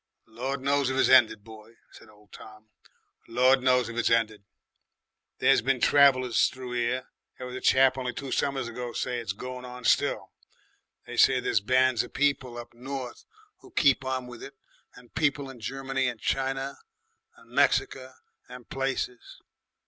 "Lord knows if it's ended, boy," said old Tom. "Lord knows if it's ended. There's been travellers through 'ere there was a chap only two summers ago say it's goin' on still. They say there's bands of people up north who keep on with it and people in Germany and China and 'Merica and places.